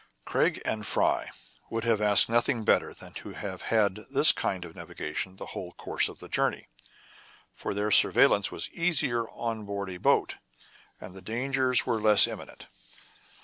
Craig and Fry would have asked nothing better than to have had this kind of navigation the whole course of the journey ; for their surveillance was easier on board a boat, and dangers were less imminent.